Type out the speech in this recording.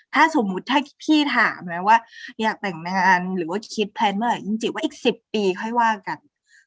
ถ้าสมมุติถ้าพี่ถามนะว่าอยากแต่งงานหรือว่าคิดแพลนเมื่อไหร่จริงว่าอีก๑๐ปีค่อยว่ากัน